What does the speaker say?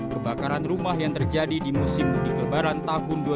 kebakaran rumah yang terjadi di musim mudik lebaran takut